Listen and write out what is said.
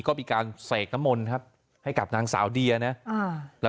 กินให้หมดขันเลยนะให้กินให้หมดไม่มีอะไร